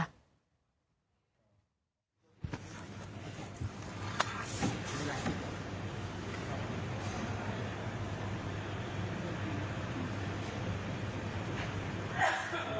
โปรดติดตามตอนต่อไป